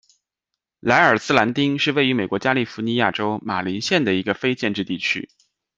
莱尔兹兰丁是位于美国加利福尼亚州马林县的一个非建制地区。